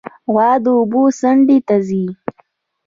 غوا د اوبو څنډې ته ځي.